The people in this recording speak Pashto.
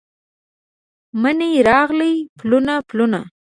مني راغلي پلونه، پلونه